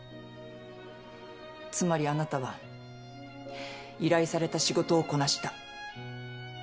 つまりあなたは依頼された仕事をこなした。